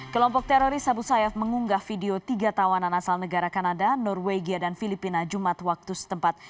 kelompok teroris abu sayyaf mengunggah video tiga tawanan asal negara kanada norwegia dan filipina jumat waktu setempat